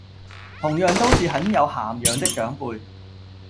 同樣都是很有涵養的長輩